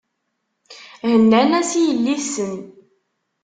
Hennan-as i yelli-tsen.